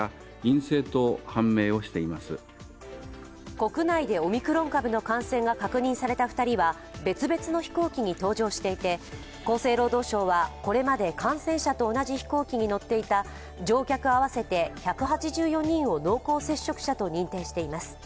国内でオミクロン株の感染が確認された２人は別々の飛行機に搭乗していて厚生労働省は、これまで感染者と同じ飛行機に乗っていた乗客合わせて１８４人を濃厚接触者と認定しています。